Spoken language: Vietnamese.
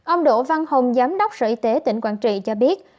ông đỗ văn hùng giám đốc sở y tế tỉnh quảng trị cho biết